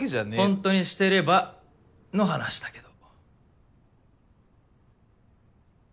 ほんとにしてればの話だけど。